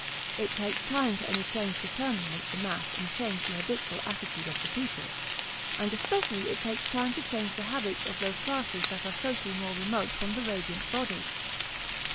It takes time for any change to permeate the mass and change the habitual attitude of the people; and especially it takes time to change the habits of those classes that are socially more remote from the radiant body.